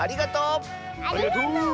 ありがとう！